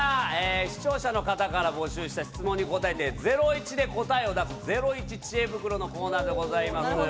視聴者の方から募集した質問に答えて、ゼロイチで答えを出すゼロイチ知恵袋のコーナーです。